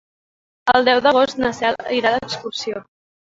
El deu d'agost na Cel irà d'excursió.